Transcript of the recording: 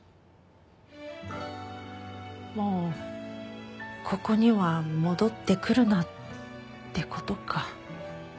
「もうここには戻ってくるな」って事か。